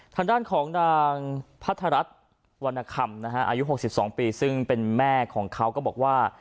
ทางด้านของนางพัทรรัฐวรรณคำนะฮะอายุ๖๒ปีซึ่งเป็นแม่ของเขาก็บอกว่า